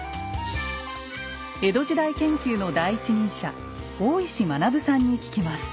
江戸時代研究の第一人者大石学さんに聞きます。